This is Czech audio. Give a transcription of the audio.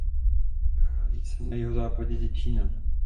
Nachází se na jihozápadě Děčína.